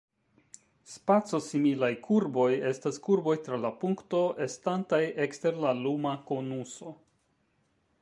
Spaco-similaj kurboj estas kurboj tra la punkto estantaj ekster la luma konuso.